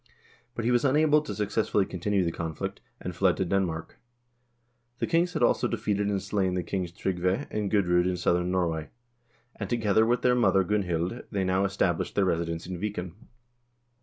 But he was unable to successfully continue the conflict, and fled to Den mark. The kings had also defeated and slain the kings Tryggve and Gudr0d in southern Norway, and together with their mother Gunhild, they now established their residence in Viken.